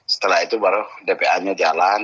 setelah itu baru dpa nya jalan